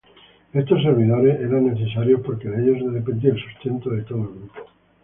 Estos servidores eran necesarios porque de ellos dependía el sustento de todo el grupo.